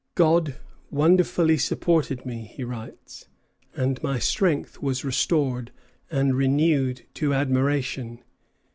"God wonderfully supported me," he writes, "and my strength was restored and renewed to admiration."